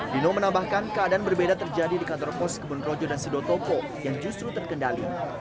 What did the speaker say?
dino menambahkan keadaan berbeda terjadi di kantor pos kebonrojo dan sidotopo yang justru terkendali